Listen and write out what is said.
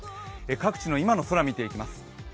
各地の今の空見ていきます。